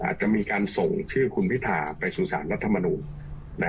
อาจจะมีการส่งชื่อคุณพิธาไปสู่สารรัฐมนูล